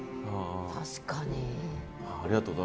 確かに。